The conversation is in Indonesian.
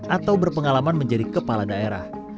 atau berpengalaman menjadi kepala daerah